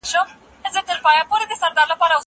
زه به کتابتون ته تللي وي!